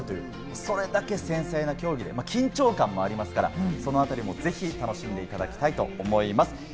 それだけ繊細な競技で緊張感もありますから、そのあたりもぜひ楽しんでいただきたいと思います。